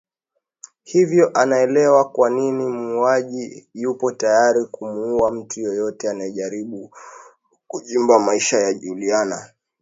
Hivyo anaelewa kwanini muuaji yupo tayari kumuua mtu yeyote anaejaribu kuchimba Maisha ya Juliana